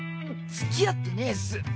つきあってねぇっす。